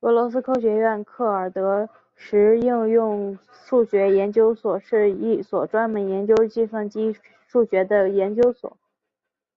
俄罗斯科学院克尔德什应用数学研究所是一所专门研究计算数学的研究所。